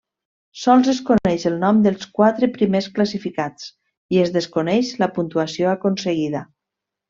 Sols es coneix el nom dels quatre primers classificats i es desconeix la puntuació aconseguida.